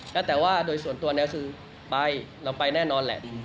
ก็แต่ว่าโดยส่วนตัวเนี่ยคือไปเราไปแน่นอนแหละ